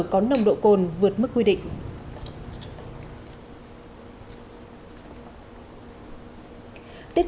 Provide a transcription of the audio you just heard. có nồng độ cồn vượt mức quy định